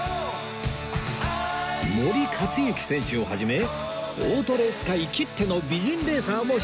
森且行選手をはじめオートレース界きっての美人レーサーも出場